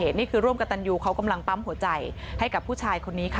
นี่คือร่วมกับตันยูเขากำลังปั๊มหัวใจให้กับผู้ชายคนนี้ค่ะ